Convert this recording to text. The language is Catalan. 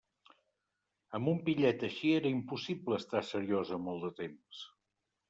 Amb un pillet així era impossible estar seriosa molt de temps!